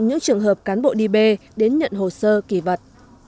những trường hợp cán bộ đi bê đến nhận hồ sơ kỳ vật